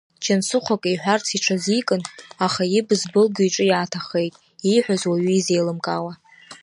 Џьансыхә акы иҳәарц иҽазикын, аха ибз былгьо иҿы иааҭахеит, ииҳәаз уаҩы изеилымкаауа.